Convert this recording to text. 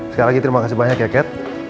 sekali lagi terima kasih banyak ya cat